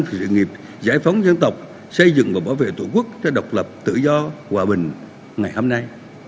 vì sự nghiệp giải phóng dân tộc xây dựng và bảo vệ tổ quốc cho độc lập tự do hòa bình ngày hôm nay